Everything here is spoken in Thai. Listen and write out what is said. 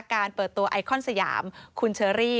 เปิดตัวไอคอนสยามคุณเชอรี่